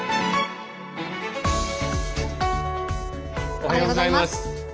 おはようございます。